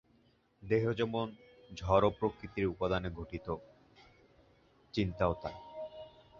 দেহ যেমন জড় ও প্রকৃতির উপাদানে গঠিত, চিন্তাও তাই।